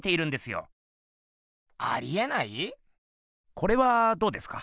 これはどうですか？